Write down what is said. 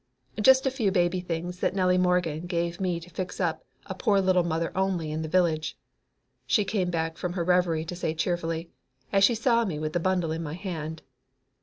"Just a few baby things that Nellie Morgan gave me to fix up a poor little Mother Only in the village," she came back from her reverie to say cheerfully, as she saw me with the bundle in my hand.